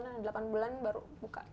nah delapan bulan baru buka